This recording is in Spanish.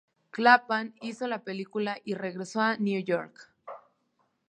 Kaplan hizo la película y regresó a Nueva York.